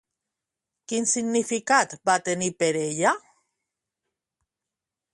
Quin significat va tenir per ella?